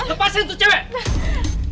eh lepasin tuh cewek